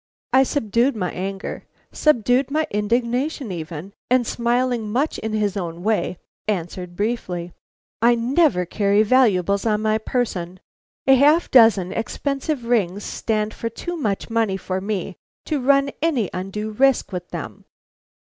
I subdued my anger, subdued my indignation even, and smiling much in his own way, answered briefly: "I never carry valuables on my person. A half dozen expensive rings stand for too much money for me to run any undue risk with them."